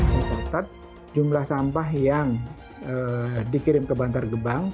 menurut ketat jumlah sampah yang dikirim ke bantar gebang